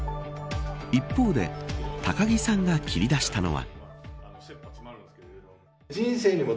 一方で高木さんが切り出したのは。